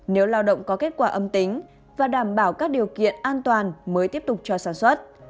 nếu lao động có kết quả âm tính và đảm bảo các điều kiện an toàn mới tiếp tục cho sản xuất